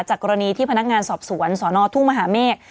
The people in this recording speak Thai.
กรณีที่พนักงานสอบสวนสนทุ่งมหาเมฆ